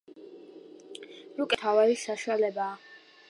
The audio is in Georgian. რუკები გეოგრაფიის ერთ-ერთი მთავარი საშუალებაა.